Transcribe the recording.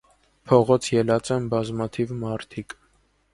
Փողոց ելած են բազմաթիւ մարդիկ։